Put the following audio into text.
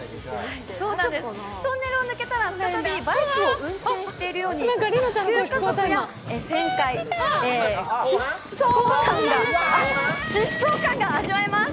トンネルを抜けたら、再びバイクを運転しているように急加速や旋回、疾走感が味わえます！